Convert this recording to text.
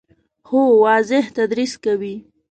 هو، واضح تدریس کوي